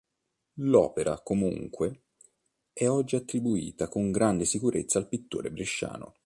L'opera, comunque, è oggi attribuita con grande sicurezza al pittore bresciano.